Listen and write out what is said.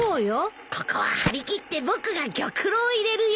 ここは張り切って僕が玉露を入れるよ。